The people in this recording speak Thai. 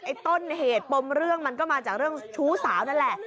ต้นเหตุปมเรื่องมันก็มาจากเรื่องชู้สาวนั่นแหละ